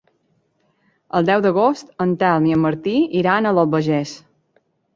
El deu d'agost en Telm i en Martí iran a l'Albagés.